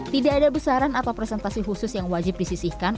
tidak ada besaran atau presentasi khusus yang wajib disisihkan